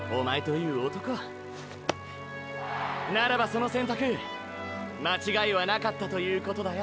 ならばその選択間違いはなかったということだよ！